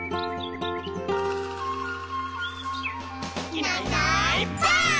「いないいないばあっ！」